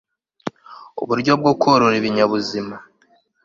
uburyo bwo korora ibinyabuzima